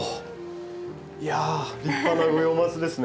いや立派な五葉松ですね。